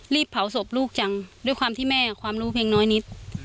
เผาศพลูกจังด้วยความที่แม่ความรู้เพียงน้อยนิด